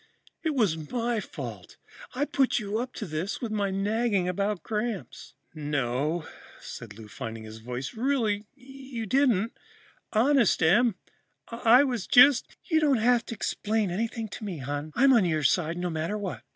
It was my fault. I put you up to this with my nagging about Gramps." "No," said Lou, finding his voice, "really you didn't. Honest, Em, I was just " "You don't have to explain anything to me, hon. I'm on your side, no matter what."